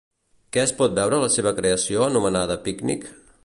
Què es pot veure a la seva creació anomenada Pícnic?